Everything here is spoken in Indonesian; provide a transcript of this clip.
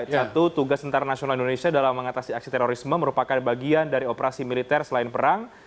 satu tugas tentara nasional indonesia dalam mengatasi aksi terorisme merupakan bagian dari operasi militer selain perang